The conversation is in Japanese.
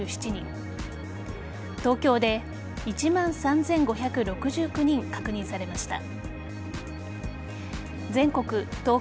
東京で１万３５６９人確認されました。